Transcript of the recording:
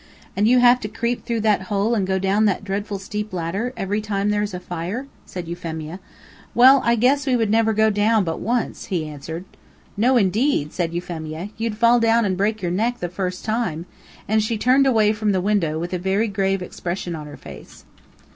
"And you have to creep through that hole and go down that dreadful steep ladder every time there is a fire?" said Euphemia. "Well, I guess we would never go down but once," he answered. "No, indeed," said Euphemia; "you'd fall down and break your neck the first time," and she turned away from the window with a very grave expression on her face.